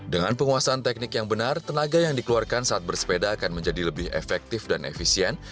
dengan penguasaan teknik yang benar tenaga yang dikeluarkan saat bersepeda akan menjadi lebih efektif dan efisien